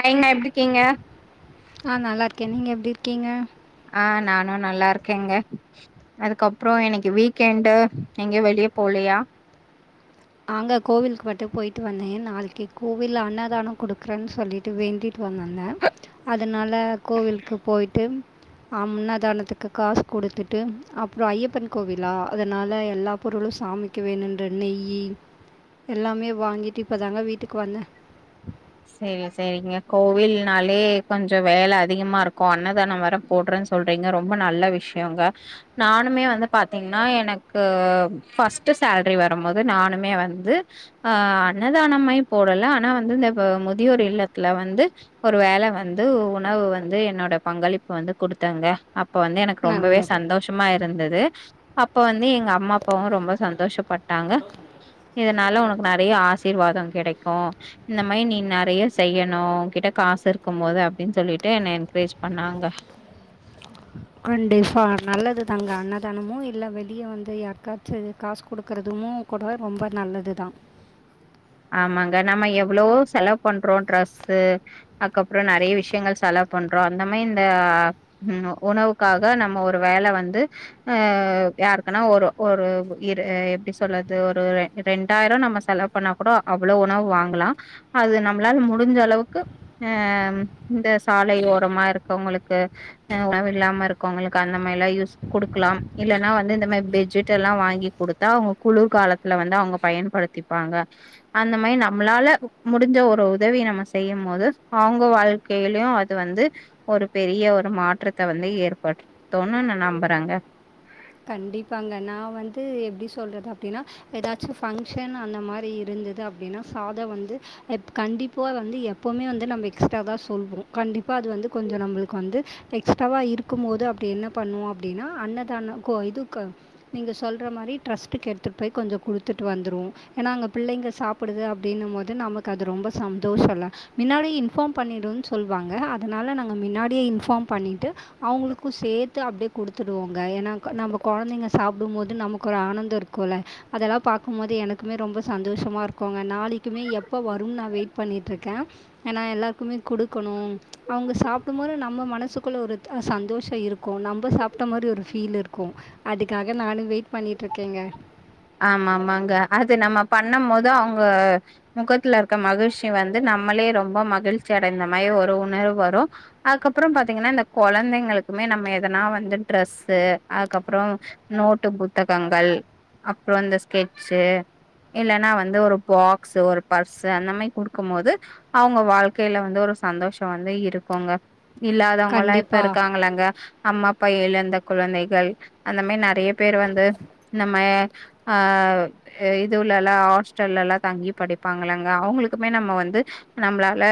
ஹாய்ங்க எப்டி இக்கீங்க ஆ நல்லா இருக்கே நீங்க எப்டி இருக்கீங்க ஆ நானு நல்லா இருக்கேங்க அதுக்கப்புறோ இன்னைக்கு வீக்கெண்டு எங்கயு வெளியே போலையா ஆங்க கோவிலுக்கு மட்டு போயிட்டு வந்தே நாளைக்கு கோவில்ல அன்னதான குடுக்குறேன்னு சொல்லிட் டு வேண்டிட்டு வந்தேங்க அதனால கோவிலுக்கு போய்ட்டு ஆ அன்னதானத்துக்கு காசு குடுத்துட்டு அப்புறோ ஐயப்பன் கோவிலா அதனால எல்லா பொருளும் சாமி க்கு வேணுன்ற நெய்யி எல்லாமே வாங்கிட்டு இப்பதாங்க வீட்டுக்கு வந்தே செரி செரிங்க கோவில்னாலே கொஞ்ச வேல அதிகமா இருக்கு அன்னதானம் வேற போடுறேன்னு சொ ல்றீங்க ரொம்ப நல்ல விஷ்யங்க நானுமே வந்து பாத்தீங்கன்னா எனக்கு ஃபர்ஸ்ட்டு சேலரி வரும்போது நானுமே வந்து ஆ அன்னதானமாரி போடல ஆனா வந்து இந்த முதியோர் இல்லத்துல வந்து ஒரு வேள வந்து உணவு வந்து என்னோட பங்களிப்பு வந்து குடுத்தேங்க அப்ப வந்து எனக்கு ரொம்பவே நல்லது சந்தோஷமா இருந்தது அப்ப வந்து எங்க அம்மா அப் பாவு ரொம்ப சந்தோஷப்பட்டாங்க இதனால ஒனக்கு நெறைய ஆசிர்வாத கெடைக்கு இந்த மாரி நீ நெறைய செய்யணு உ கிட்ட காசு இருக்கும் போது அப்டின்னு சொல்லிட்டு என்ன என்கரேஜ் பண்ணாங்க கன்டிபா நல்லது தாங்க அன்னதானமு இல்ல வெளியே வந்து யாற்காச்சு காசு குடுக்குறதமு கூடவே ரொம்ப நல்லது தா ஆமாங்க நம்ம எவ்வளோ செலவு பண்றோ ட்ரெஸ்ஸு அதுக்கப்றோ நெறைய விஷயங்கள் செலவு பண்றோ அந்த மாரி இந்த ம் உணவுக்காக நம்ம ஒரு வேல வந்து அ யாருக்குனா ஒரு ஒரு எப்டி சொல்லறது ஒரு ரெண்டாயிரோ நம்ம செலவு பண்ணா கூட அவ்வளவு உணவு வாங்கலா அது நம்மளால முடிஞ்ச அளவுக்கு அ ம் இந்த சாலை ஓரமா இருக்கவங்களுக்கு [unintelligible] இல்லாம இருக்கு உங்களுக்கு அந்த மாரில்லா யூஸ் கொடுக்லாம் இல்லைன்னா வந்து இந்த மாரி பெட்ஜிட்டு எல்லாம் வாங்கி கொடுத்தா அவங்க குளுர் காலத்துல வந்து அவங்க பயன்படுத் த்திப்பாங்க அந்த மாரி நம்மளால முடிஞ்ச ஒரு உதவி நம்ம செய்யும் போது அவங்க வாழ்க் கையிலயு அது வந்து ஒரு பெரிய ஒரு மாற்றத்த வந்து ஏற்படுத்துன்னு நம்புறாங்க கண்டிப்பாங்க நா வந்து எப்டி சொல்றது அப்டினா ஏதாச்சும் ஃபங்க்ஷன் அந்த மாரி இருந்தது அப்டினா சாதம் வந்து ப் கண்டிப்பா வந்து எப்பவுமே வந்து நம்ம எக்ஸ்ட்ரா தா சொல்வோ கண்டிப்பா அது வந்து கொஞ்ச நம்மளுக்கு வந்து எக்ஸ்ட்வா இருக்கும் போது அப்டி என்ன பண்ணுவோ அப்டினா அன்னதான கோ இதுக்கு நீங்க சொல்ற மாரி ட்ரஸ்டுக்கு எடுத்துட்டு போய் கொஞ்ச கொடுத்துட்டு வந்துருவோ ஏனா அங்க பிள்ளைங்க சாப்புடுது அப்டின்னும் போது நமக்கு அது ரொம்ப சந்தோஷல்ல மின்னாடி இன்ஃபார்ம் பண்ணிடுன்னு சொல்வாங்க அதனால நாங்க மின்னாடியே இன்ஃபார்ம் பண்ணிட்டு அவுங்களுக்கு சேத்து அப்டியே குடுத்துடுவோங்க ஏனா நம்ம குழந்தைங்க சாப்பிடும்போது நமக்கு ஒரு ஆனந்தோ இருக்குல்ல அதெல்லா பாக்கும் போது எனக்குமே ரொம்ப சந்தோஷமா இருக்குங்க நாளைக்குமே எப்ப வரும்னு நா வெயிட் பண்ணிட்டு இருக்கே ஏனா எல்லாருக்குமே குடுக்கணு அவங்க சாப்டும் போது நம்ம மனசுக்குள்ள ஒரு சந்தோஷோ இருக்கு நம்ம சாப்ட மாரி ஒரு ஃபீல் இருக் க்கு அதுக்காக நானு வெயிட் பண்ணிட்டு இருக்கேங்க ஆமாமாங்க அது நம்ம பண்ணும் போது அவங்க முகத்துல இருக்க மகிழ்ச்சி வந்து நம்மளே ரொம்ப மகிழ்ச்சி அடைந்த மாரி ஒரு உணர்வு வரு அதுக்கப்றோ பாத்தீங்கனா இந்த கொழந்தைங்களுக்குமே நம்ம எதனா வந்து ட்ரெஸ்ஸு அதுக்கப்றோ நோட்டு புத்தகங்கள் அப்றோ இந்த ஸ்கெட்சு இல்லனா வந்து ஒரு பாக்ஸு ஒரு பர்ஸ்ஸு அந்த மாரி குடுக்கும் போது அவங்க வாழ்க்கையில வந்து ஒரு சந்தோஷ வந்து இருக்குங்க இல்லாதவங்கல்லா இப்ப கண்டிப்பாக இருக்காங்களங்க அம்மா அப்பா எழுந்த குழந்தைகள் அந்த மாரி நெறையா பேரு வந்து நம்ம ஆ இது உள்ள எல்லா ஹாஸ்டல்லலா தங்கி படிப்பாங்களங்க அவங்களுக்குமே நம்ம வந்து நம்மளால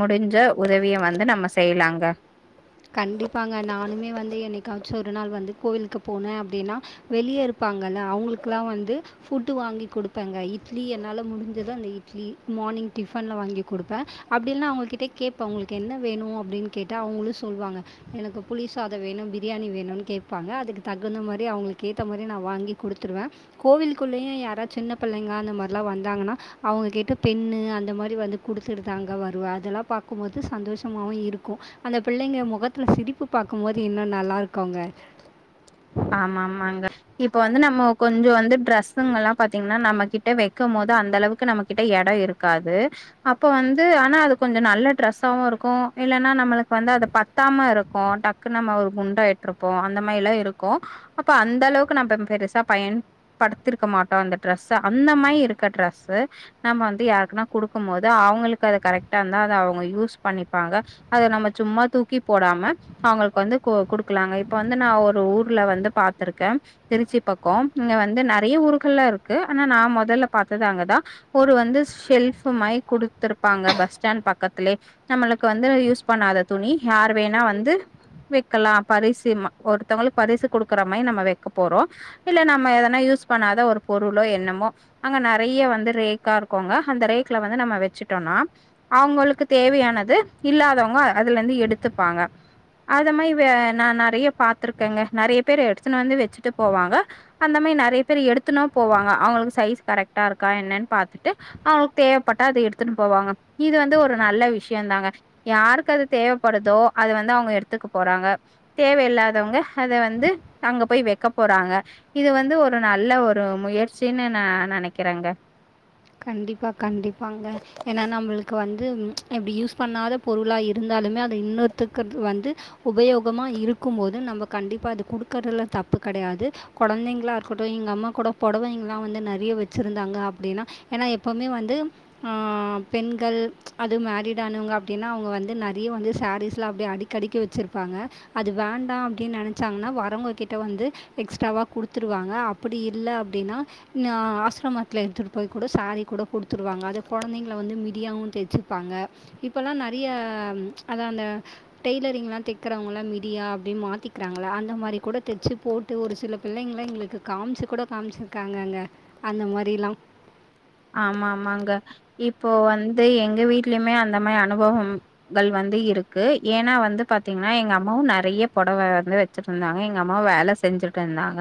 முடிஞ்ச உதவிய வந்து நம்ம செய்யலாங்க கண்டிப்பாங்க நானுமே வந்து என்னைக்காச்சு ஒரு நாள் வந்து கோவிலுக்கு போனே அப்டினா வெளிய இருப்பாங்கல்ல அவங்களுக்குல்லா வந்து ஃபுட்டு வாங்கி குடுப்பேங்க இட்லி என்னால முடிஞ்சது அந்த இட்லி மார்னிங் டிஃபன்லா வாங்கி் குடுப்பே அப்டி இல்லனா அவங்க கிட்டயே கேப்ப ஒங்களுக்கு என்ன வேணு அப்டின்னு கேட்டா அவுங்களே சொல்வாங்க எனக்கு புளிசாதோ வேணு பிரியாணி வேணுனு கேப்பாங்க அதுக்கு தகுந்த மாரி அவங்களுக்கு ஏத்த மாரி நா வாங்கி கொடுத்துருவே கோவில் குள்ளேயு யாரா சின்ன பிள்ளைங்க அந்த மாரிலா வந்தாங்கனா அவங்க கிட்ட பென்னு அந்த மாரி வந்து குடுத்துட்டு தாங்கா வருவ அதெல்லா பாக்கும்போது சந்தோஷமாவு இருக் கு அந்த பிள்ளைங்க மொகத்துல சிரிப்பு பாக்கும்போது இன்னு நல்லா இருக்கோங்க ஆமா ஆமாங்க இப்ப வந்து நம்ம கொஞ்ச வந்து டிரெஸ்ஸுங்கள்லா பாத்தீங்கனா நம்ம கிட்ட வெக்கும் போது அந்த அளவுக்கு நம்மக்கிட்ட எட இருக் இருக்காது அப்ப வந்து ஆனா அது கொஞ்ச நல்ல ட்ரெஸ்சாவு இருக்கு இல்லனா நம்மளுக்கு வந்து அத பத்தாம இருக்கு டக்குனு நம்ம ஒரு குண்டாயிட்ருப்போ அந்த மாரிலா இருக் கு அப்ப அந்த அளவுக்கு நம்ம பெருசா பயன் படுத்திருக்க மாட்டோ அந்த டிரெஸ்ச அந்த மாயி இருக்க டிரஸ்சு நம்ம வந்து யாருக்குனா குடுக்குமோது அவுங்ளுக்கு அது கரெக்டா இருந்தா அத அவ்ங்க யூஸ் பண்ணிப்பாங்க அத நம்ம சும்மா தூக்கி போடாம அவ்ங்ளுக்கு வந்து கு குடுக்கலாங்க இப்ப வந்து நா ஒரு ஊர் ல வந்து பாத்துருக்கே திருச்சி பக்கோ இங்க வந்து நெறைய ஊர்கள்ல இருக்கு ஆனா நா மொதல்ல பாத்தது அங்கதா ஒரு வந்து ஷெல்ஃபு மாரி குடுத்திருப்பாங்க பஸ் ஸ்டாண்ட் பக்கத்துலே நம்மளுக்கு வந்து யூஸ் பண்ணாத துணி யார் வேணா வந்து வெக்கலா பரிசு ம ஒருத்தவ்ங்களுக்கு பரிசு குடுக்கற மாயி நம்ம வெக்க போறோ இல்ல நம்ம எதனா யூஸ் பண்ணாத ஒரு பொருளோ என்னமோ அங்க நெறைய வந்து ரேக்கா இருக்குங்க அந்த ரேக்ல வந்து நம்ம வெச்சுட்டோனா அவுங்களுக்கு தேவையானது இல்லாதவ்ங்க அதுலருந்து எடுத்துப்பாங்க அத மாரி வே நா நெறைய பாத்துருக்கேங்க நெறைய பேரு எடுத்துணு வந்து வெச்சுட்டு போவாங்க அந்த மாயி நெறைய பேரு எடுத்துணு போவாங்க அவுங்களுக்கு சைஸ் கரெக்ட்டா இருக்கா என்னன் பாத்துட்டு ஆ ஓக தேவப்பட்டா அத எடுத்துன்னு போவாங்க இது வந்து ஒரு நல்ல விஷ்யந்தாங்க யாருக்கு அது தேவைப்படுதோ அத வந்து அவ்ங்க எடுத்துக்க போறாங்க தேவயில்லாதவ்ங்க அத வந்து அங்க போய் வெக்க போறாங்க இது வந்து ஒரு நல்ல ஒரு முயற்சின்னு நா நெனைக்கிறேங்க கண்டிப்பா கண்டிப்பாங்க ஏனா நம்மளுக்கு வந்து ம் எப்டி யூஸ் பண்ணாதப் பொருளா இருந்தாலுமே அது இன்னொருத்தருக்கு அது வந்து உபயோகமா இருக்கும் போது நம்ப கண்டிப்பா அது குடுக்கறதுல தப்பு கெடையாது கொழந்தைங்களா இருக்கட்டு எங்க அம்மா கூட பொடவைங்கலா வந்து நெறைய வெச்சிருந்தாங்க அப்டினா ஏனா எப்போமே வந்து ஆ பெண்கள் அது மேரிட் ஆனவ்ங்க அப்டினா அவ்ங்க வந்து நெறைய வந்து சாரீஸ்லா அப்டியே அடிக் அடிக்கி வெச்சுருப்பாங்க அது வேண்டா அப்டின் நெனச்சாங்கனா வரவ்ங்கக்கிட்ட வந்து எக்ஸ்ட்ராவா குடுத்துருவாங்க அப்டி இல்ல அப்டினா நா ஆசிரமத்துல எடுத்துட்டு போய் கூட சாரீ கூட குடுத்துடுவாங்க அத கொழந்தைங்கள வந்து மிடியாவு தெச்சிப்பாங்க இப்பலா நெறைய அதா அந்த டெய்லரிங்லா தெக்கிறவ்ங்களா மிடியா அப்டி மாத்திக்கிறாங்கள அந்த மாரிக்கூட தெச்சு போட் ட்டு ஒரு சில பிள்ளைங்களா எங்களுக்கு காம்ச்சு கூட காம்ச்சிருக்காங்கங்க அந்த மாரிலா ஆமாம்மாங்க இப்போ வந்து எங்க வீட்லயுமே அந்த மாரி அனுபவம் ங்கள் வந்து இருக்கு ஏனா வந்து பாத்தீங்னா எங்க அம்மாவு நெறைய பொடவ வந்து வெச் வெச்சுட்ருந்தாங்க எங்க அம்மா வேல செஞ்சிட்ருந்தாங்க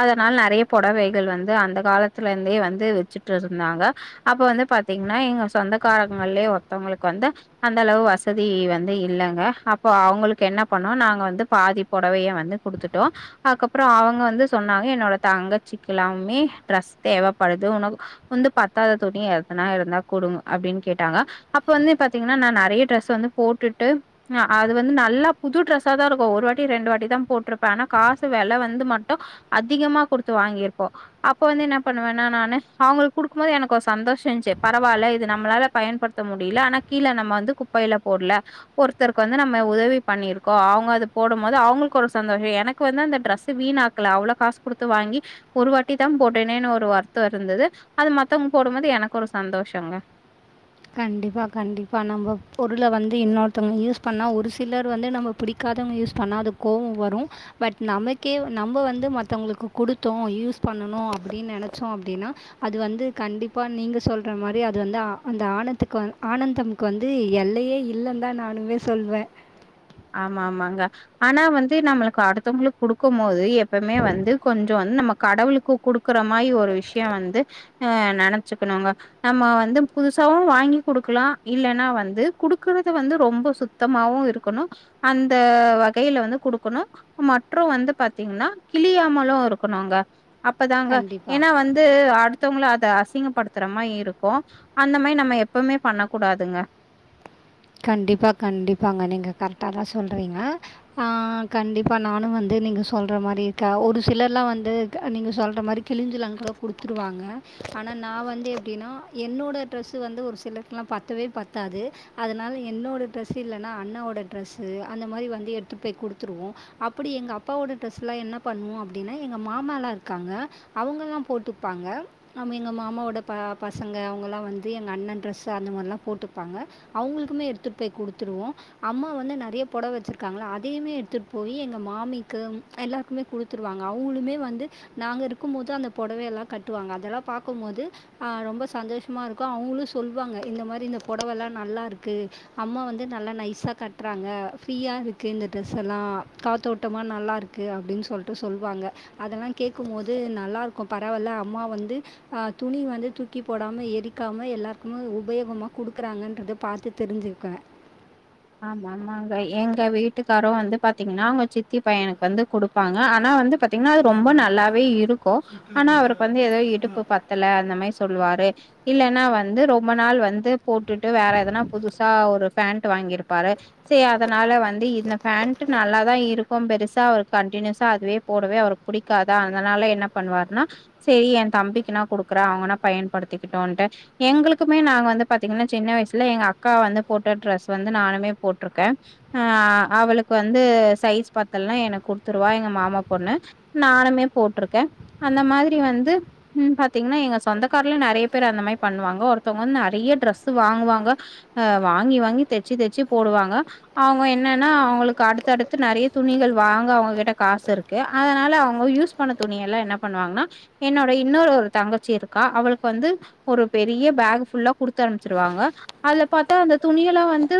அதனால நெறைய பொடவைகள் வந்து அந்த காலத்துல இருந்தே வந்து வெச்சுட்ருந்தாங்க அப்ப வந்து பாத்தீங்னா எங்க சொந்தக்காரங்கள்லே ஒருத்தவ்ங்களுக்கு வந்து அந்த அளவு வசதி வந்து இல்லங்க அப்ப அவ்ங்களுக்கு என்ன பண்ணோ நாங்க வந்து பாதி பொடவைய வந்து குடுத்துட்டோ அதுக்கப்றோ அவுங்க வந்து சொன்னாங்க என்னோட தங்கச்சிக்கிலாமே ட்ரெஸ் தேவப்படுது உனக்கு வந்து பத்தாத துணி எதனா இருந்தா குடுங்க அப்டின் கேட்டாங்க அப்ப வந்து பாத்தீங்கனா நா நெறைய டிரெஸ் வந்து போட்டுட்டு ஆ அது வந்து நல்லா புது ட்ரெஸ்சா தா இருக்கு ஒரு வாட்டி ரெண்டு வாட்டி தா போட்டிருப்பே ஆனா காசு வெல வந்து மட்டு அதிகமா குடுத்து வாங்கிருப்போ அப்ப வந்து என்ன பண்ணுவேனா நானு அவ்ங்களுக் குடுக்ம்குபோது எனக்கு ஒரு சந்தோஷயிச்சி பரவால்ல இது நம்மளால பயன்படுத்த முடில ஆனா கீல நம்ம வந்து குப்பைல போடல ஒருத்தருக்கு வந்து நம்ம உதவி பண்ணிருக்கோ அவங்க அது போடு போது அவங்களுக்கு ஒரு சந்தோஷ எனக்கு வந்து அந்த டிரஸ் வீணா க்கள அவ்ளோ காசு குடுத்து வாங்கி ஒரு வாட்டி தா போட்டேனே ஒரு வருத்த இருந்தது அது மத்தவங்க போடும்போது எனக்கு ஒரு சந்தோஷங்க கண்டிப்பா கண்டிப்பா நம்ம பொருள வந்து இன்னொருத்தவங்க யூஸ் பண்ணா ஒரு சிலர் வந்து நம்ம புடிக்காதவங்க யூஸ் பண்ணா அது கோவ வரு பட் நமக்கே நம்ப வந்து மத்தவங்களுக்கு குடுத்தோ யூஸ் பண்ணணு அப்டின்னு நெனச்சோ அப்டின்னா அது வந்து கண்டிப்பா நீங்க சொல்ற மாரி அது வந்து ஆ அந்த ஆனத்துக்கு ஆனந்தம்க்கு வந்து எல்லையே இல்ல தா நானுமே சொல்வே ஆமா ஆமாங்க ஆனா வந்து நம்மளுக்கு அடுத்தவங்களுக்கு குடுக் கும் போது எப்பவுமே வந்து கொஞ்ச வந்து நம்ம கடவுளுக்கு குடுக்குற மாரி ஒரு விஷய வந்து ஆ நெனச்சுக்கணுங்க நம்ம வந்து புதுசாவு வாங்கி குடுக்கலா இல்லன்னா வந்து குடுக்குறத வந்து ரொம்ப சுத்தமாவு இருக் க்கணு அந்த வகையில வந்து குடுக்கணு மற்று வந்து பாத்தீங்கன்னா கிழியாமலு இருக்கணும்ங்க அப்பதாங்க கண்டிப்பாக ஏன்னா வந்து அடு த்தவங்கள அத அசிங்கப்படுத்துற மாரி இருக்கு அந்த மாரி நம்ம எப்பவுமே பண்ண கூடாதுங்க கண்டிப்பா கண்டிப்பாங்க நீங்க கரெக்டா தா சொல்றீங்க ஆ கண்டிப்பா நானு வந்து நீங்க சொல்ற மாரி கா ஒரு சிலர்லா வந்து நீங்க சொல்ற மாரி கிழிஞ்சிலாங்கூட குடுத்ருவாங்க ஆனா நா வந்து எப்படின்னா என்னோட ட்ரெஸ் வந்து ஒரு சிலர் ல்லா பத்தவே பத்தாது அதனால என்னோட ட்ரெஸ் இல்லன்னா அண்ணாவோட ட்ரெஸ் அந்த மாரி வந்து எடுத்துட் போய் குடுத்துருவோ அப்டி எங்க அப்பாவோட ட்ரெஸ் எல்லா என்ன பண்ணுவோ அப்டின்னா எங்க மாமால்லா இருக்காங்க அவங்கல்லா போட்டுப்பாங்க ஆமா எங்க மாமாவோட ப பசங்க அவங்கல்லா வந்து எங்க அண்ண ட்ரெஸ் அந்த மாரிலா போட்டுப்பாங்க அவங்களுக்குமே எடுத்துட்டு போய் குடுத்துருவோ அம்மா வந்து நெறைய பொடவ வச்சிருக்காங்களா அதையுமே எடுத்துட் போய் எங்க மாமிக்கு எல்லாருக்குமே குடுத்துருவாங்க அவங்களுமே வந்து நாங்க இருக்கும் போது அந்த பொடவயெல்லாம கட்டுவாங்க அதெல்லா பாக்கும் போது ஆ ரொம்ப சந்தோஷமா இருக்கு அவங்களு சொல்லுவாங்க இந்த மாரி இந்த பொடவல்லா நல்லாருக்கு அம்மா வந்து நல்லா நைஸா கட்றாங்க ஃப்ரீயா இருக்கு இந்த ட்ரெஸெல்ல காத்தோட்டமா நல்லாருக்கு க்கு அப்டின்னு சொல்லிட்டு சொல்லுவாங்க அதெல்லா கேட்கும் போது நல்லாருக்கு பரவால்ல அம்மா வந்து ஆ துணி வந்து தூக்கி போடாம எரிக்காம எல்லாருக்குமே உபயோகமா குடுக்குறாங்க அத பாத்து தெரிஞ்சுக்குவே ஆமா நாங்க எங்க வீட்டுக்காரு வந்து பாத்தீங்கன்னா அவங்க சித்தி பையனுக்கு வந்து குடுப்பாங்க ஆனா வந்து பத் த்தீங்கன்னா அது ரொம்ப நல்லாவே இருக்கு ஆனா அவருக்கு வந்து ஏதோ இடுப்பு பத் தல அந்த மாரி சொல்லுவாரு இல்லன்னா வந்து ரொம்ப நாள் வந்து போட்டுட்டு வேற எதனா புதுசா ஒரு பேண்ட் வாங்கிருப்பாரு செரி அதனால வந்து இந்த ஃபேண்டு நல்லா தா இருக்கு பெருசா அவருக்கு கண்டினியூஸா அதுவே போடவே அவர் புடிக்காதா அதனால என்ன பண்ணுவாருன்னா செரி எ தம்பிக்குனா குடுக்குற அவங்கனா பயன்படுத்திக்கிட்டோன்ட்டு எங்களுக்குமே நாங்க வந்து பாத்தீங்கன்னா சின்ன வயசுல எங்கக்கா வந்து போட்ட ட்ரெஸ் வந்து ந்து நானுமே போட்ருக்கே ஆ அவளுக்கு வந்து சைஸ் பத்தலனா எனக்கு குடுத்ருவா எங்க மாமா பொண்ணு நானுமே போட்ருக்கேன் அந்த மாரி வந்து ம் பாத்தீங்கன்னா எங்க சொந்தக்கார்ல நெறைய பேர் அந்த மாரி பண்ணுவாங்க ஒருத்தவங்க வந்து நெறைய டிரெஸ் வாங்குவாங்க அ வாங்கி வாங்கி தச்சு தச்சு போடுவாங்க அவங்க என்னன்னா அவங்களுக்கு அடுத்த அடுத்து நெறைய துணிகள் வாங்க அவங்ககிட்ட காசு இருக்கு க்கு அதனால அவங்க யூஸ் பண்ண துணியெல்லாம் என்ன பண்ணுவாங்கன்னா என்னோட இன்னொரு ஒரு தங்கச்சி இருக்கா அவளுக்கு வந்து ஒரு பெரிய பேக் ஃபுல்லா குடுத்தமுச்சுருவாங்க அதுல பாத்தா அந்த துணியெல்லாம் வந் ந்து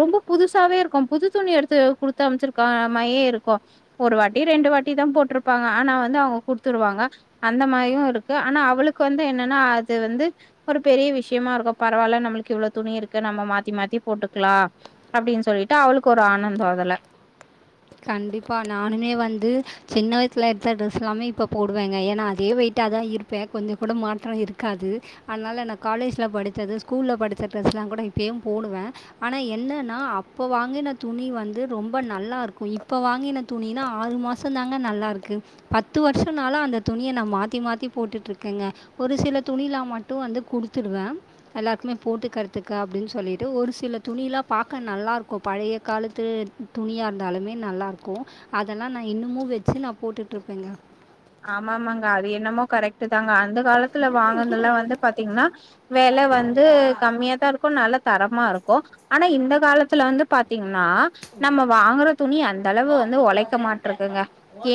ரொம்ப புதுசாவே இருக்கும் புது துணி எடுத்து குடுத்தமுச்சிருக்க மாரியே இருக்கும் ஒரு வாட்டி ரெண்டு வாட்டி தான் போட்ருப்பாங்க ஆனா வந்து அவங்க குடுத்துருவாங்க அந்த மாரியும் இருக்கு ஆனா அவளுக்கு வந்து என்னன்னா அது வந்து ஒரு பெரிய விஷயமா இருக்கு பரவால்ல நம்மளுக்கு இவ்ளோ துணி இருக்கு நம்ம மாத்தி மாத்தி போட்டுக்கலாம் அப்டின்னு சொல்லிட்டு அவளுக்கு ஒரு ஆனந்தம் அதுல கண்டிப்பா நானுமே வந்து சின்ன வயதுல எடுத்த ட்ரெஸ் எல்லாமே இப்ப போடுவேங்க ஏன்னா அதே வெயிட்டா தான் இரு கே கொஞ்சம் கூட மாற்றம் இருக்காது அதனால என் காலேஜ்ல படித்தது ஸ்கூல்ல படித்த ட்ரெஸ் எல்லாம் கூட இப்யும் போடுவேன் ஆனா என்னன்னா அப்ப வாங்கின துணி வந்து ரொம்ப நல்லா இருக்கும் இப்ப வாங்கின துணினா ஆறு மாசம் தாங்க நல்லா இருக்கு பத்து வருஷம்னால அந்த துணிய நான் மாத்தி மாத்தி போட்டுட்டு இருக்கேங்க ஒரு சில துணிலா மட்டும் வந்து குடுத்துருவேன் எல்லாருக்குமே போட்டு கத்துக்கு அப்டின்னு சொல்லிட்டு ஒரு சில துணிலாம் பார்க்க நல்லா இருக்கும் பழைய காலத்து துணியாக இருந்தாலுமே நல்லாருக்கும் அதெல்லாம் நான் இன்னுமும் வச்சு நான் போட்டுட்டுருப்பேங்க ஆமாமாங்க அது என்னமோ கரெக்ட் தாங்க அந்த காலத்துல ஏன் உயிரை வாங்னதெல்லாம் வந்து எதுக்கு பாத்தீங்கன்னா வெல வந்து கம்மியா தான் இருக்கும் நல்ல தரமா இருக்கும் ஆனா இந்த காலத்துல வந்து பாத்தீங்கன்னா நம்ம வாங்குற துணி அந்தளவு வந்து உழைக்க மாட்டருதுங்க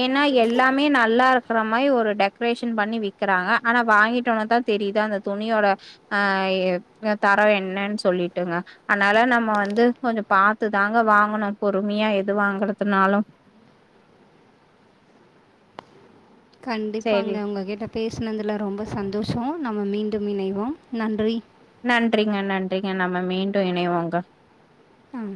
ஏன்னா எல்லாமே நான் நல்லாருக்ற மாரி ஒரு டெக்கரேஷன் பண்ணி விக்கிறாங்க ஆனா வாங்கிட்டோனதான் தெரிது அந்த துணியோட அ தரம் என்னன்னு சொல்லிட்டுங்க அதனால நம்ம வந்து கொஞ்சம் பாத்துதாங்க வாங்கணும் பொறுமையா எது வாங்குறதுனாலும் சரி கண்டிப்பாக உங்க கிட்ட பேசினதில ரொம்ப சந்தோஷம் நம்ம மீண்டும் இணைவோம் நன்றி நன்றிங்க நன்றிங்க நம்ம மீண்டும் இணைவோங்க ம்